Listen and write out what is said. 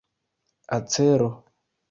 acero